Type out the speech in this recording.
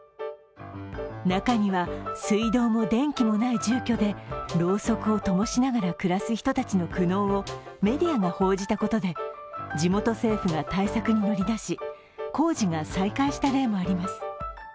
中には水道も電気もない住居で、ろうそくをともしながら暮らす人達の苦悩をメディアが報じたことで、地元政府が対策に乗り出し工事が再開した例もあります。